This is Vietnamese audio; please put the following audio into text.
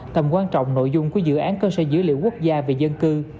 tầm quan trọng nội dung của dự án cơ sở dữ liệu quốc gia về dân cư